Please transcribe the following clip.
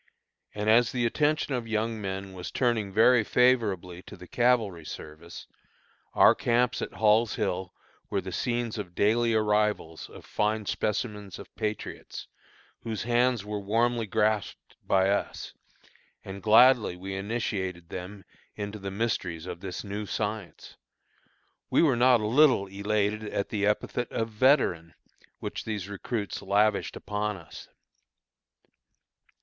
And as the attention of young men was turning very favorably to the cavalry service, our camps at Hall's Hill were the scenes of daily arrivals of fine specimens of patriots, whose hands were warmly grasped by us; and gladly we initiated them into the mysteries of this new science. We were not a little elated at the epithet of "Veteran," which these recruits lavished upon us.